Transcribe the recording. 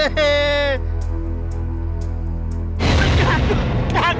aduh aduh aduh aduh